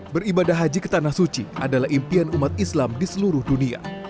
beribadah haji ke tanah suci adalah impian umat islam di seluruh dunia